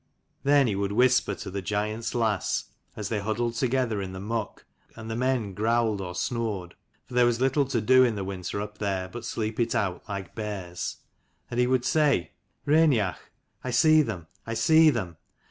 Then he would whisper to the giant's lass, as they huddled together in the muck, and the men growled or snored, for there was little to do in the winter up there but sleep it out like bears, and he would say, "Raineach, I see them, I see them